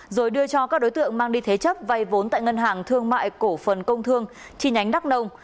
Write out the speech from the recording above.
rồi đưa cho các đối tượng mang đi thế chấp vay vốn tại ngân hàng thương mại cổ phần công thương chi nhánh đắc nông